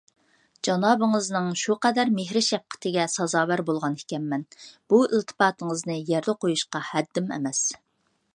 جانابىڭىزنىڭ شۇ قەدەر مېھىر - شەپقىتىگە سازاۋەر بولغانىكەنمەن، بۇ ئىلتىپاتىڭىزنى يەردە قويۇشقا ھەددىم ئەمەس.